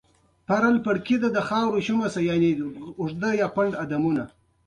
چې اساسي غوښتنې يې برابري وه .